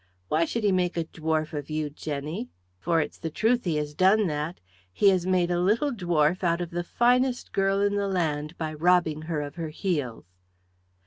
Why should he make a dwarf of you, Jenny? for it's the truth he has done that; he has made a little dwarf out of the finest girl in the land by robbing her of her heels."